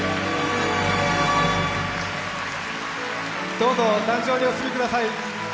どうぞ、壇上にお進みください。